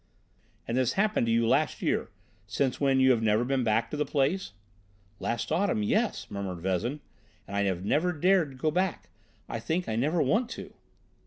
"And this happened to you last year, since when you have never been back to the place?" "Last autumn, yes," murmured Vezin; "and I have never dared to go back. I think I never want to."